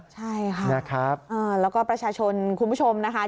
ใช่ค่ะนะครับแล้วก็ประชาชนคุณผู้ชมนะคะ